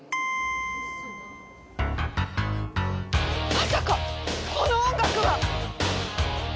まさかこの音楽は！